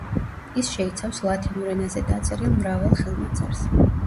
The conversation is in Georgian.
ის შეიცავს ლათინურ ენაზე დაწერილ მრავალ ხელნაწერს.